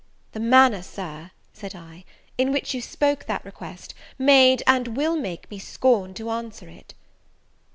"The manner, Sir," said I, "in which you spoke that request, made, and will make, me scorn to answer it."